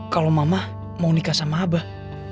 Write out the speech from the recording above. kalau mama mau nikah sama abah